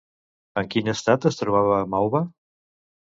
En quin estat es trobava Mauva?